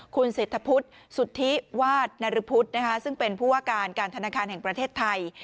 คุณเศรษฐพุทธสุธิวาสนรพุทธซึ่งเป็นผู้ว่าการการธนาคารแห่งประเทศไทย